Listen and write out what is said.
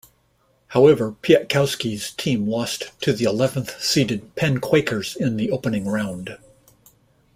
However Piatkowski's team lost to the eleventh seeded Penn Quakers in the opening round.